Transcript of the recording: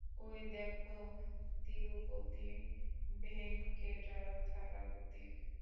ঐদেখো, Tirupati Venkatathalapati.